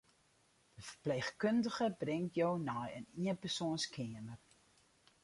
De ferpleechkundige bringt jo nei in ienpersoanskeamer.